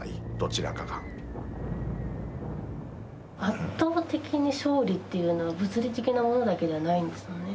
圧倒的に勝利というのは物理的なものだけではないんですもんね。